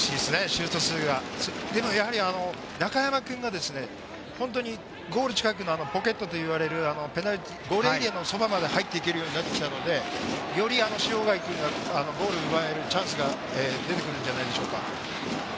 シュート数がやはり中山君が本当にゴール近くのポケットといわれるペナルティーゴールエリア近くまで入っていけるようになったので、より塩貝君がゴールを奪えるチャンスが出てきてるんじゃないでしょうか。